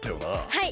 はい。